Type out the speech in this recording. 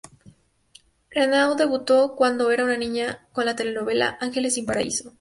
Renaud debutó cuando era una niña con la telenovela "Ángeles sin paraíso".